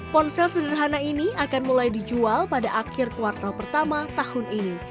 ponsel sederhana ini akan mulai dijual pada akhir kuartal pertama tahun ini